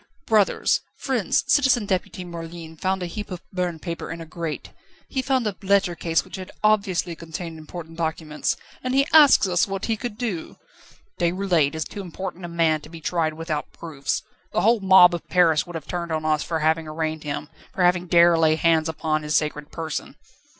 Brothers, friends, Citizen Deputy Merlin found a heap of burnt paper in a grate, he found a letter case which had obviously contained important documents, and he asks us what he could do!" "Déroulède is too important a man to be tried without proofs. The whole mob of Paris would have turned on us for having arraigned him, for having dared lay hands upon his sacred person."